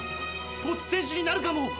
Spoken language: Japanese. スポーツ選手になるかも。